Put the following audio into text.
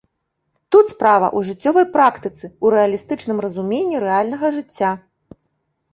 Тут справа ў жыццёвай практыцы, у рэалістычным разуменні рэальнага жыцця.